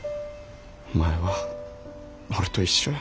お前は俺と一緒や。